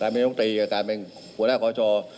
การเป็นตรงตรีการเป็นหัวหน้าขอช่อ